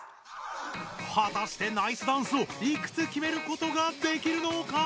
はたしてナイスダンスをいくつきめることができるのか？